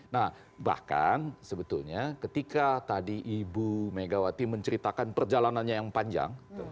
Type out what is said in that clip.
nah bahkan sebetulnya ketika tadi ibu megawati menceritakan perjalanannya yang panjang